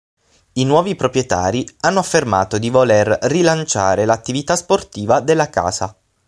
I nuovi proprietari hanno affermato di voler rilanciare l'attività sportiva della casa.